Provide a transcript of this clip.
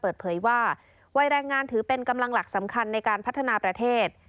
เปิดเผยว่าวัยแรงงานถือเป็นกำลังหลักสำคัญในการพัฒนาประเทศ